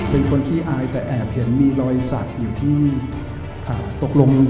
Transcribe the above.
เป็นคนขี้อายแต่แอบเห็นมีรอยสักอยู่ที่ขาตกลง